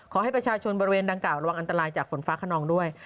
ขอให้ประชาชนบริเวณดังกล่าระวังอันตรายจากฝนฟ้าขนองด้วย